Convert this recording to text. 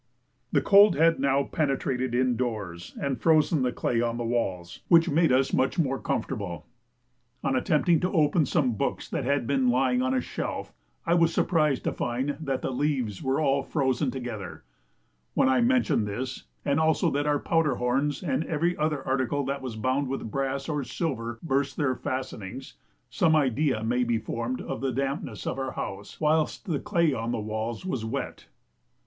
The cold had now penetrated in doors and frozen the clay on the walls, which made us much more comfortable. On attempting to open some books that had been lying on a shelf, I was surprised to find that the leaves were all frozen together; when I mention this, and also that our powder horns and every other article that was bound with brass or silver burst their fastenings, some idea may be formed of the dampness of our house whilst the clay on the walls was wet.